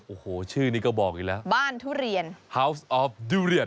โอ้โหชื่อนี่ก็บอกอีกแล้วบ้านทุเรียน